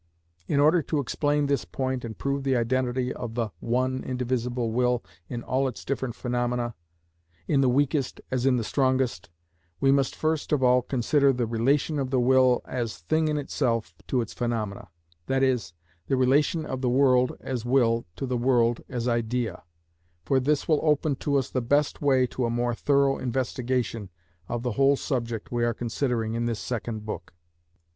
In order to explain this point and prove the identity of the one indivisible will in all its different phenomena, in the weakest as in the strongest, we must first of all consider the relation of the will as thing in itself to its phenomena, that is, the relation of the world as will to the world as idea; for this will open to us the best way to a more thorough investigation of the whole subject we are considering in this second book.